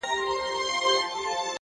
هره لاسته راوړنه له هڅې راټوکېږي.!